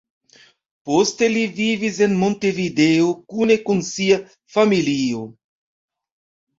Poste li vivis en Montevideo kune kun sia familio.